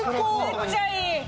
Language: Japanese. めっちゃいい！